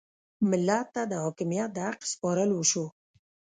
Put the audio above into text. ملت ته د حاکمیت د حق سپارل وشو.